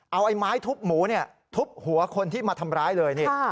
เอาไอ้ไม้ทุบหมูทุบหัวคนที่มาทำร้ายเลยนี่